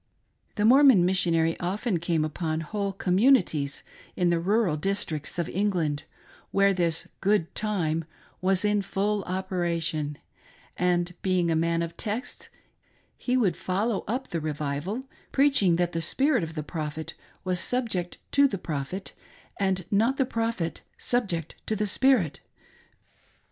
The Mormon Missionary often came upon whole communi ties in the rural districts of England, where this " good time " was in full operation ; and being a man of texts he would follow up the revival, preaching that the spirit of the prophet was subject to the prophet, and not the prophet subject to the spirit.